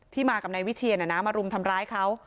มากับนายวิเชียนมารุมทำร้ายเขา